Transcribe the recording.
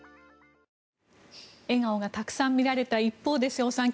笑顔がたくさん見られた一方で瀬尾さん